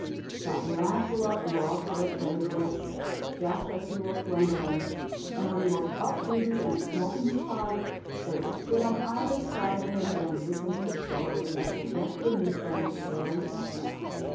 But Lancelot was her favourite, just as he was Gwendolen's, and when he was off duty and smoking his pipe, they would sit on either side of him and listen to his stories as the deck beneath them rose and fell.